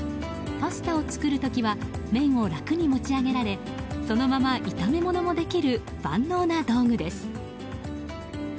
パスタを作る時は麺を楽に持ち上げられそのまま炒め物もできる万能なものです。